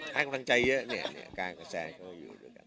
ให้กำลังใจเยอะเนี่ยการกระแสเขาอยู่ด้วยกัน